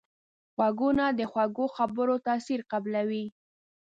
غوږونه د خوږو خبرو تاثیر قبلوي